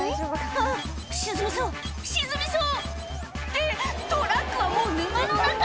あぁ沈みそう沈みそうってトラックはもう沼の中！